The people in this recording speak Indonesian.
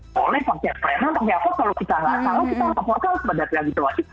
boleh pakai preman pakai apa kalau kita tidak salah kita laporkan kepada pihak di luar